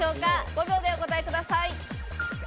５秒でお答えください。